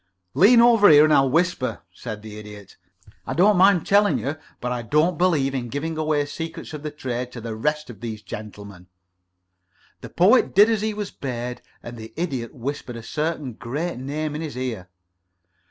"Lean over here and I'll whisper," said the Idiot. "I don't mind telling you, but I don't believe in giving away the secrets of the trade to the rest of these gentlemen." The Poet did as he was bade, and the Idiot whispered a certain great name in his ear.